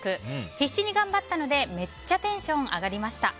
必死に頑張ったのでめっちゃテンション上がりました。